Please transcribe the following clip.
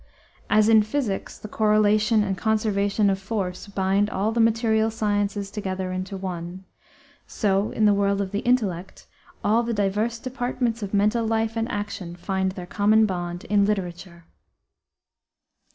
As in physics the correlation and conservation of force bind all the material sciences together into one, so in the world of intellect all the diverse departments of mental life and action find their common bond in literature.